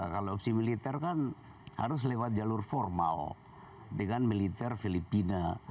kalau opsi militer kan harus lewat jalur formal dengan militer filipina